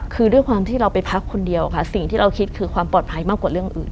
คือด้วยความที่เราไปพักคนเดียวค่ะสิ่งที่เราคิดคือความปลอดภัยมากกว่าเรื่องอื่น